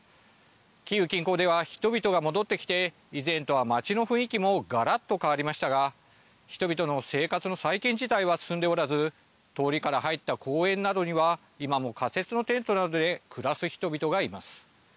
キーウ近郊では人々が戻ってきて以前とは街の雰囲気もがらっと変わりましたが人々の生活の再建自体は進んでおらず通りから入った公園などには今も仮設のテントなどで暮らす人々がいます。